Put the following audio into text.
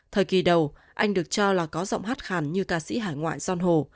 thời kỳ đầu anh được cho là có giọng hát khàn như ca sĩ hải ngoại son hồ